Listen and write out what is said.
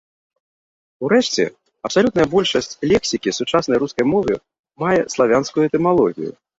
Урэшце, абсалютная большасць лексікі сучаснай рускай мовы мае славянскую этымалогію.